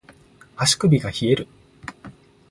足首が冷える